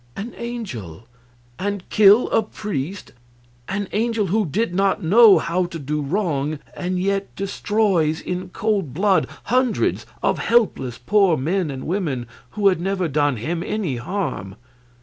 An angel, and kill a priest! An angel who did not know how to do wrong, and yet destroys in cold blood hundreds of helpless poor men and women who had never done him any harm!